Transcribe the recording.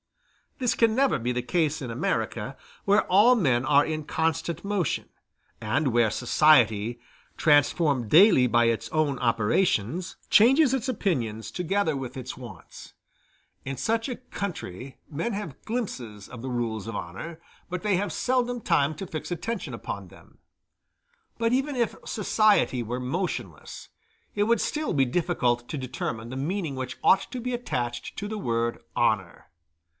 This can never be the case in America, where all men are in constant motion; and where society, transformed daily by its own operations, changes its opinions together with its wants. In such a country men have glimpses of the rules of honor, but they have seldom time to fix attention upon them. But even if society were motionless, it would still be difficult to determine the meaning which ought to be attached to the word "honor."